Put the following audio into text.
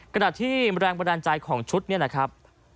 ขณะที่แรงบันดาลใจของชุดเนี่ยนะครับ